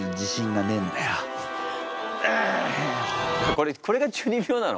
これこれが中二病なの？